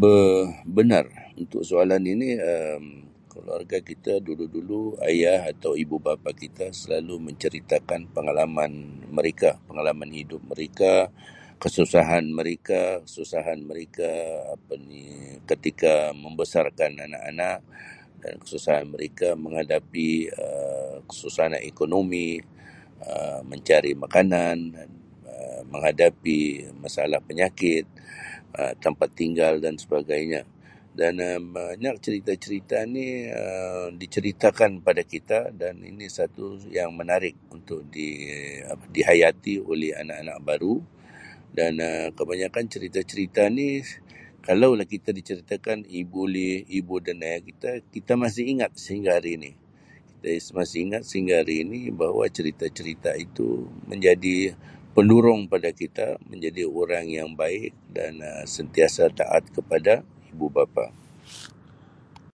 Be-benar untuk soalan ini Um keluarga kita dulu-dulu ayah atau ibu-bapa kita selalu mencerita kan pengalaman mereka pengalaman hidup mereka kesusahan mereka kesusahan mereka apa ni ketika membesarkan anak-anak dan kesusahan mereka menghadapi Um suasana ekonomi Um mencari makanan Um menghadapi masalah penyakit Um tempat tinggal dan sebagainya dan Um banyak cerita-cerita ni Um dicerita kan pada kita dan ini satu yang menarik untuk di-dihayati oleh anak-anak baru dan Um kebanyakan cerita-cerita ni kalau lah kita dicerita kan ibu leh ibu dan ayah kita, kita masih ingat sehingga hari ini jadi masih ingat sehingga hari ni bahawa cerita cerita itu menjadi pendurung pada kita menjadi orang yang baik dan Um sentiasa taat kepada ibu-bapa.